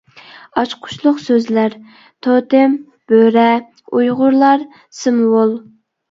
ئاچقۇچلۇق سۆزلەر: توتېم، بۆرە، ئۇيغۇرلار، سىمۋول.